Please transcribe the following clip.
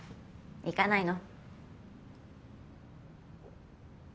行かないの？